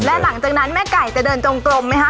และหลังจากนั้นแม่ไก่จะเดินจงกลมไหมคะ